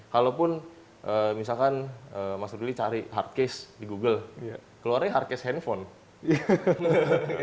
kalaupun misalkan mas ruli cari hardcase di google keluarnya hardcase handphone